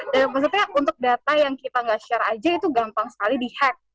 dan maksudnya untuk data yang kita gak share aja itu gampang sekali di hack